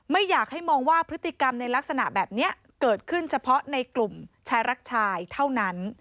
ไม่อยากให้มองว่าพฤติกรรมในลักษณะแบบนี้เกิดขึ้นเฉพาะในกลุ่มชายรักชายเท่านั้น